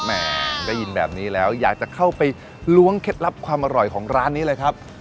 ได้ยินแบบนี้แล้วอยากจะเข้าไปล้วงเคล็ดลับความอร่อยของร้านนี้เลยครับ